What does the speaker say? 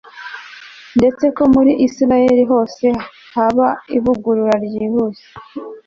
ndetse ko muri Isirayeli hose haraba ivugurura ryihuse